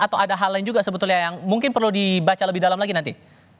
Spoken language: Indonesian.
atau ada hal lain juga sebetulnya yang mungkin perlu dibaca lebih dalam lagi nanti